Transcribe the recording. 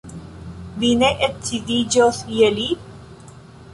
Vi ne edziniĝos je li?